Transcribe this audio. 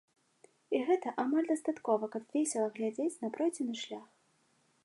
І гэта амаль дастаткова, каб весела глядзець на пройдзены шлях.